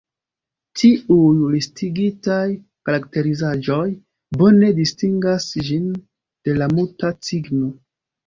Tiuj listigitaj karakterizaĵoj bone distingas ĝin de la Muta cigno.